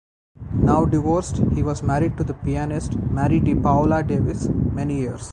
Now divorced, he was married to the pianist Mary Di Paola-Davis many years.